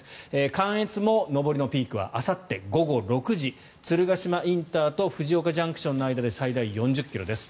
関越も上りのピークはあさって午後６時鶴ヶ島ＩＣと藤岡ＪＣＴの間で最大４０ｋｍです。